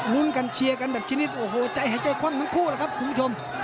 รุ้นกันเชียร์กันแบบชนิดโอ้โหใจหายใจคว่ำทั้งคู่แล้วครับคุณผู้ชม